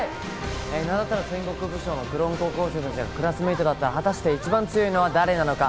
名だたる戦国武将のクローン高校生たちがクラスメートだったら、果たして一番強いのは誰なのか？